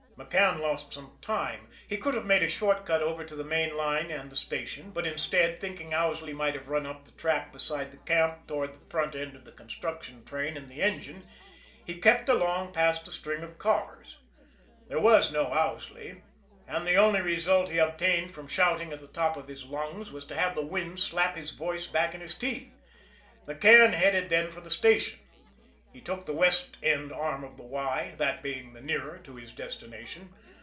McCann lost some time. He could have made a short cut over to the main line and the station; but, instead, thinking Owsley might have run up the track beside the camp toward the front end of the construction train and the engine, he kept along past the string of cars. There was no Owsley; and the only result he obtained from shouting at the top of his lungs was to have the wind slap his voice back in his teeth. McCann headed then for the station. He took the west end arm of the Y, that being the nearer to his destination.